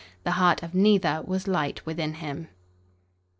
The heart of neither was light within him.